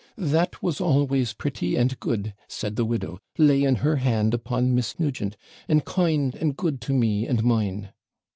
'That was always pretty and good, said the widow, laying her hand upon Miss Nugent, 'and kind and good to me and mine.'